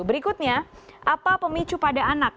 berikutnya apa pemicu pada anak